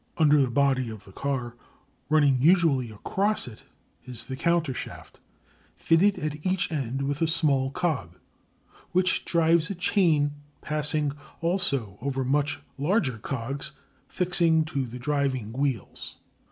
Under the body of the car, running usually across it, is the countershaft, fitted at each end with a small cog which drives a chain passing also over much larger cogs fixed to the driving wheels.